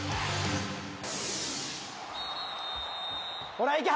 ほらいけ！